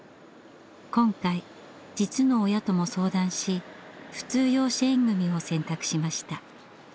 今回実の親とも相談し普通養子縁組を選択しました。